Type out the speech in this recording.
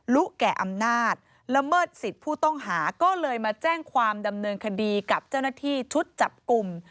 ลุแก่อำนาจละเมิดสิทธิ์ผู้ต้องหาก็เลยมาแจ้งความดำเนินคดีกับเจ้าหน้าที่ชุดจับกลุ่ม